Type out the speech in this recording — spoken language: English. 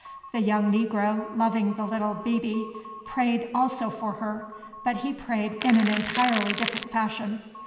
The young negro, loving the little "bibi," prayed also for her, but he prayed in an entirely different fashion.